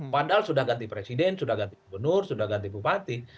padahal sudah ganti presiden sudah ganti gubernur sudah ganti bupati